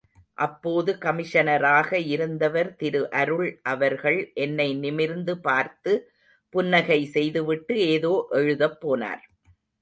அப்போது கமிஷனராக இருந்தவர் திரு அருள் அவர்கள் என்னை நிமிர்ந்து பார்த்து, புன்னகை செய்துவிட்டு ஏதோ எழுதப்போனார்.